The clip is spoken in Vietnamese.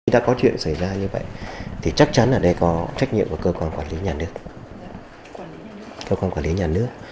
đã có chuyện xảy ra như vậy thì chắc chắn là đây có trách nhiệm của cơ quan quản lý nhà nước